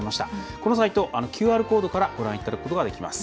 このサイト、ＱＲコードからご覧いただくことができます。